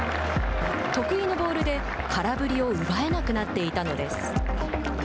得意のボールで空振りを奪えなくなっていたのです。